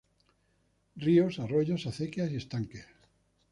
Ríos, arroyos, acequias y estanques.